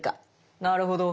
なるほど。